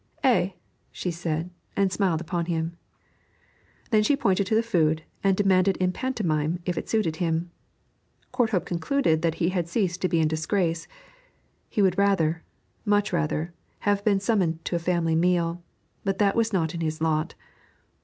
'Eh!' she said, and smiled upon him. Then she pointed to the food, and demanded in pantomime if it suited him. Courthope concluded that he had ceased to be in disgrace. He would rather, much rather, have been summoned to a family meal, but that was not his lot.